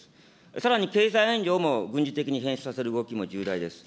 さらに経済援助をも軍事的に変質させる動きも重大です。